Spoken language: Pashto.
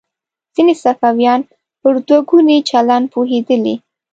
ځینې صوفیان پر دوه ګوني چلند پوهېدلي.